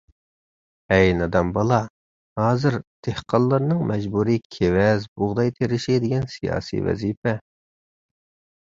ھەي نادان بالا، ھازىر دېھقانلارنىڭ مەجبۇرىي كېۋەز، بۇغداي تېرىشى دېگەن سىياسىي ۋەزىپە.